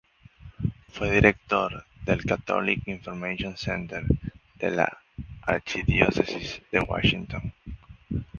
Fue director del Catholic Information Center de la Archidiócesis de Washington.